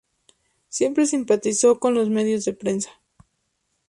Siempre simpatizó con los medios de prensa.